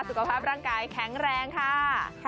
สุขภาพร่างกายแข็งแรงค่ะ